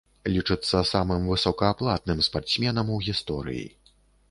Лічыцца самым высокааплатным спартсменам у гісторыі.